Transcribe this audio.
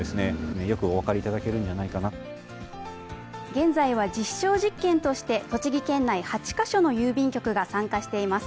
現在は実証実験として栃木県内８か所の郵便局が参加しています。